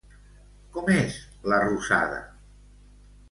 Com és la rosada?